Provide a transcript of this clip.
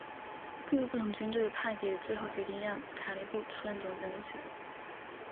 各个不同军队派别最后决定让塔列布出任总理职。